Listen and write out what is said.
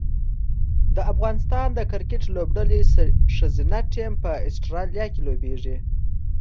د افغانستان د کرکټ لوبډلې ښځینه ټیم په اسټرالیا کې لوبیږي